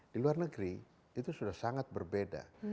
di luar negeri itu sudah sangat berbeda